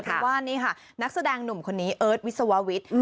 เพราะว่านี่ค่ะนักแสดงหนุ่มคนนี้เอิร์ทวิศววิทย์